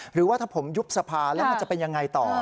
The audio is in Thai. หรือว่าถ้าผมยุบสภาแล้วมันจะเป็นยังไงต่อ